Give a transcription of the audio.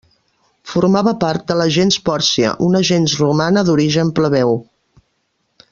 Formava part de la gens Pòrcia, una gens romana d'origen plebeu.